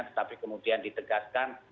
tetapi kemudian ditegaskan dua ribu empat